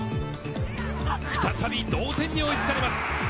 再び同点に追いつかれます。